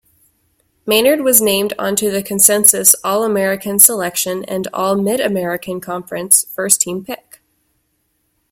Maynard was named onto the consensus All-American selection and All-Mid-American Conference first-team pick.